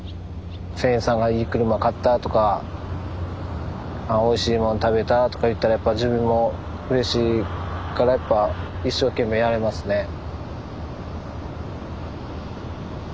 船員さんがいい車買ったとかおいしいもん食べたとか言ったらやっぱ自分もうれしいからやっぱ一生懸命やれますね。